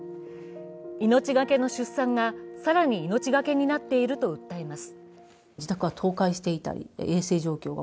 命懸けの出産が更に命懸けになっていると訴えます。